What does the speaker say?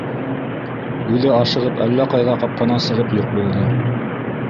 — Үҙе ашығып әллә ҡайҙа ҡапҡанан сығып юҡ булды.